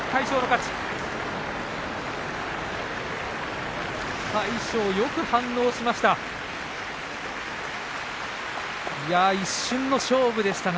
魁勝は、よく反応しました。